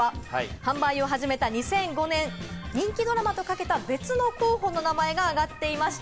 販売を始めた２００５年、人気ドラマと掛けた別の候補の名前が挙がっていました。